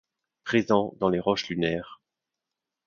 Présent dans les roches lunaires.